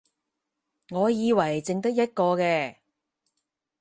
我以為剩得一個嘅